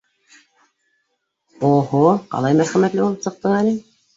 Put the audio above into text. — О-һо, ҡалай мәрхәмәтле булып сыҡтың әле!